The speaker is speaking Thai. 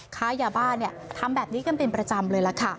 ค้ายาบ้านทำแบบนี้กันเป็นประจำเลย